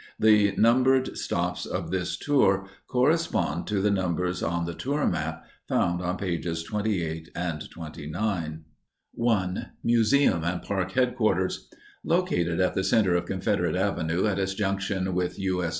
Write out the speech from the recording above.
The numbered stops of this tour correspond to the numbers on the tour map found on pages 28 29. 1. MUSEUM AND PARK HEADQUARTERS. Located at the center of Confederate Avenue, at its junction with U. S.